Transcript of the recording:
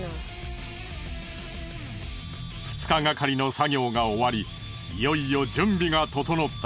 ２日がかりの作業が終わりいよいよ準備が整った。